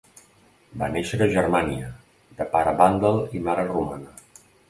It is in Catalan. Va néixer a Germània, de pare vàndal i mare romana.